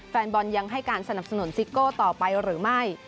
แฟนบอลยังให้การสนับสนุนซิโก้ต่อไปหรือไม่